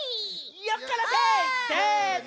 よっこらせ！せの！